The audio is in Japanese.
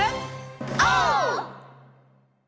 オー！